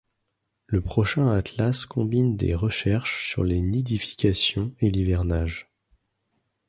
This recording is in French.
Le prochain atlas combine des recherches sur les nidifications et l’hivernage.